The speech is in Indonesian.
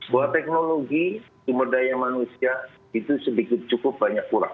bahwa teknologi sumber daya manusia itu sedikit cukup banyak kurang